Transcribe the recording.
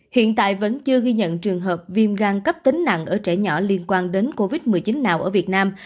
hiện tại vẫn chưa ghi nhận trường hợp viêm gan cấp tính nặng ở trẻ nhỏ liên quan đến covid một mươi chín nào ở việt nam